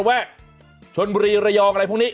ส่วนแผนชนโมรีระยองอะไรพวกนี้